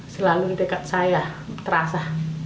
selalu dekat saya terasa